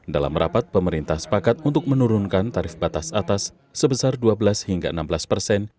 dalam rapat pemerintah sepakat untuk menurunkan tarif batas atas sebesar dua belas hingga enam belas persen